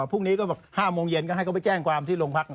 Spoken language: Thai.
พรุ่งนี้ก็๕โมงเย็นก็ให้เขาไปแจ้งความที่โรงพัก